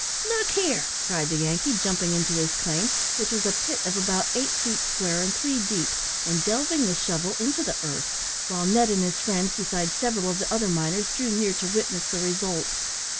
Look here," cried the Yankee, jumping into his claim, which was a pit of about eight feet square and three deep, and delving the shovel into the earth, while Ned and his friends, besides several of the other miners, drew near to witness the result.